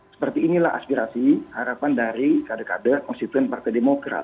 seperti inilah aspirasi harapan dari kader kader konstituen partai demokrat